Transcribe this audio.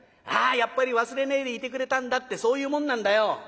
ああやっぱり忘れねえでいてくれたんだってそういうもんなんだよ。